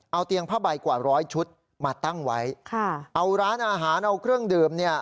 เอาเตียงผ้าใบกว่าร้อยชุดมาตั้งไว้ค่ะเอาร้านอาหารเอาเครื่องดื่มเนี่ย